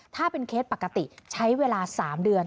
ถ้าเป็นเคสปกติใช้เวลา๓เดือน